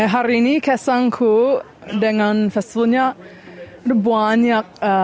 hari ini kesangku dengan festivalnya